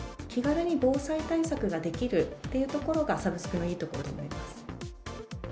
気軽に防災対策ができるというところが、サブスクのいいところだ